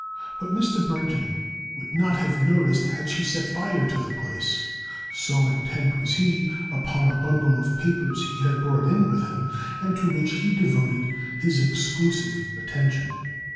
But Mr. Burthon would not have noticed had she set fire to the place, so intent was he upon a bundle of papers he had brought in with him and to which he devoted his exclusive attention.